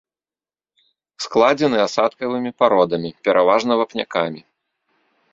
Складзены асадкавымі пародамі, пераважна вапнякамі.